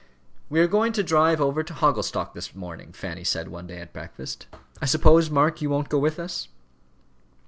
"We are going to drive over to Hogglestock this morning," Fanny said one day at breakfast. "I suppose, Mark, you won't go with us?"